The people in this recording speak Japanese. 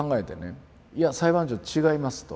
「いや裁判長違います」と。